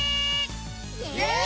イエイ！